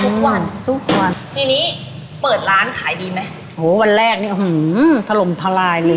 ทุกวันทุกวันในนี้เปิดร้านขายดีไหมโอ้ววันแรกนี้หือทะลมทะลายเลย